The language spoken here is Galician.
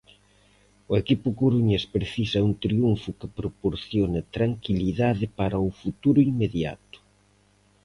O equipo coruñés precisa un triunfo que proporcione tranquilidade para o futuro inmediato.